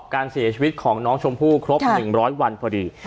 การเสียชีวิตของน้องชมพู่ครบ๑๐๐วันพอดี